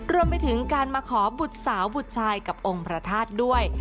รวมไปถึงการมาขอบุตรสาวบุตรชายกับองค์พระธาตุด้วย